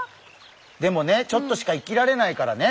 でもねちょっとしか生きられないからね